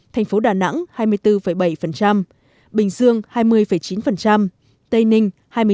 thành phố đà nẵng hai mươi bốn bảy bình dương hai mươi chín tây ninh hai mươi hai chín